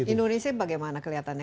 indonesia bagaimana kelihatannya